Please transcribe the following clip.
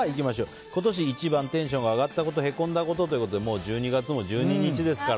今年一番テンション上がったことへこんだことということでもう１２月も１２日ですから。